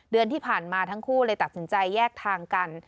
เดือนที่ผ่านมาทั้งคู่เลยตัดสินใจแยกทางกัน